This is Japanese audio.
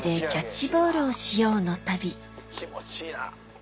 気持ちいいな。